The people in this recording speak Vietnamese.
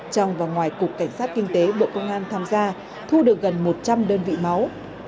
trong và ngoài cục cảnh sát kinh tế bộ công an tham gia thu được gần một trăm linh đơn vị máu